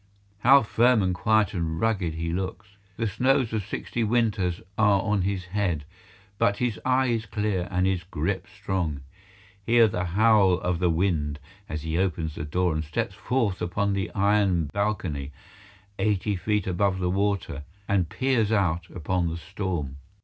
How firm and quiet and rugged he looks. The snows of sixty winters are on his head, but his eye is clear and his grip strong. Hear the howl of the wind as he opens the door and steps forth upon the iron balcony, eighty feet above the water, and peers out upon the storm.